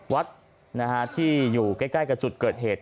วัดที่อยู่ใกล้กับจุดเกิดเหตุ